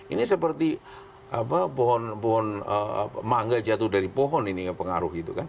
ini seperti pohon mangga jatuh dari pohon ini pengaruh itu kan